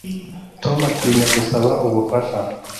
Tom atinya gusaba ubufasha